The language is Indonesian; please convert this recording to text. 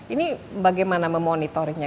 ini bagaimana memonitorinnya